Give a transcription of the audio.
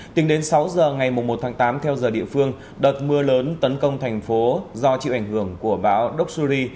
tính đến sáu giờ ngày một tháng tám theo giờ địa phương đợt mưa lớn tấn công thành phố do chịu ảnh hưởng của bão doxury